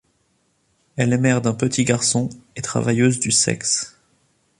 Elle est mère d'un petit garçon, et travailleuse du sexe.